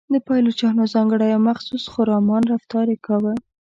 د پایلوچانو ځانګړی او مخصوص خرامان رفتار یې کاوه.